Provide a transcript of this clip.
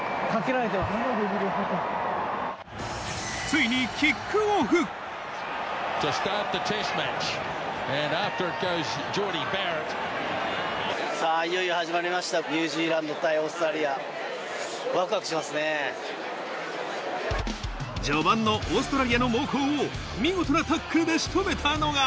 ついにキックオフ序盤のオーストラリアの猛攻を見事なタックルで仕留めたのが